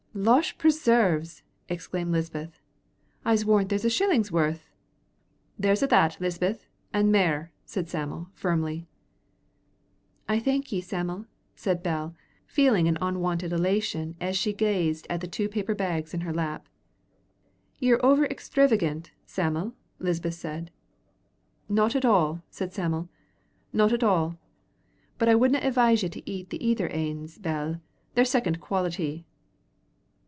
"Losh preserve's!" exclaimed Lisbeth; "I'se warrant there's a shillin's worth." "There's a' that, Lisbeth an' mair," said Sam'l, firmly. "I thank ye, Sam'l," said Bell, feeling an unwonted elation as she gazed at the two paper bags in her lap. "Ye're ower extravegint, Sam'l," Lisbeth said. "Not at all," said Sam'l; "not at all. But I wouldna advise ye to eat thae ither anes, Bell they're second quality."